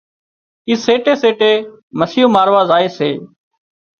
اي سيٽي سيٽي مسيون ماروا زائي سي